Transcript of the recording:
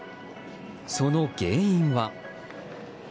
その原因は。